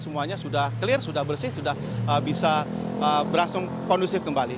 semuanya sudah clear sudah bersih sudah bisa berlangsung kondusif kembali